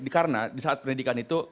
karena di saat pendidikan itu